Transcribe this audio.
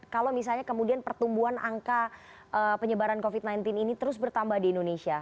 kalau misalnya kemudian pertumbuhan angka penyebaran covid sembilan belas ini terus bertambah di indonesia